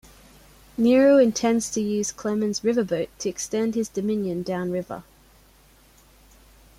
Nero intends to use Clemens' riverboat to extend his dominion downriver.